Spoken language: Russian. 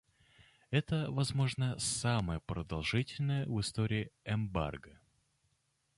Это, возможно, самое продолжительное в истории эмбарго.